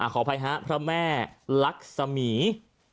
ขออภัยฮะพระแม่ลักษมี